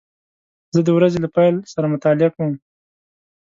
زه د ورځې له پیل سره مطالعه کوم.